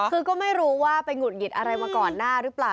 คือก็ไม่รู้ว่าไปหงุดหงิดอะไรมาก่อนหน้าหรือเปล่า